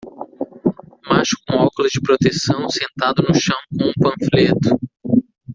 Macho com óculos de proteção sentado no chão com um panfleto.